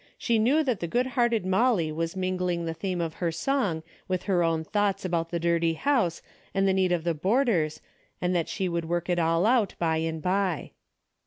She knew that the good hearted Molly was mingling the theme of her song with her own 172 DAILY BATE." thoughts about the dirty house and the need of the boarders and that she would work it all out by and by.